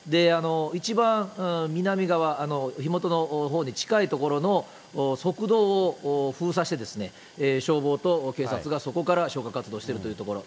一番南側、火元のほうに近い所の側道を封鎖して、消防と警察が、そこから消火活動をしているというところ。